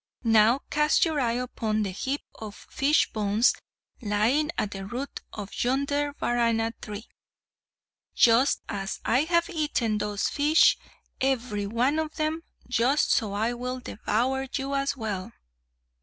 Now cast your eye upon the heap of fish bones lying at the root of yonder Varana tree. Just as I have eaten those fish, every one of them, just so I will devour you as well!"